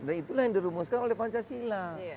dan itulah yang dirumuskan oleh pancasila